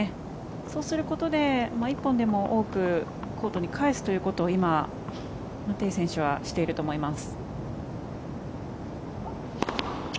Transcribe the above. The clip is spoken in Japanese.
そうすることで１本でも多くコートに返すということを今、テイ選手はしていると思います。